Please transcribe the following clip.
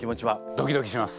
ドキドキします。